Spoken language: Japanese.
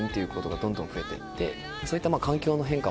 そういったまあ。